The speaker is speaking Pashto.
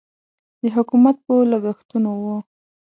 د حکومت په لګښتونو و.